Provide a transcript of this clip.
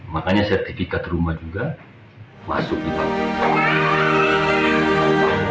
makanya sertifikat rumah juga masuk di kampung